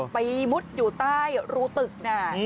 ไปมุดอยู่ใต้รูตึกนะครับ